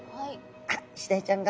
あイシダイちゃんが。